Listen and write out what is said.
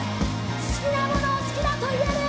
好きなものを好きだと言える！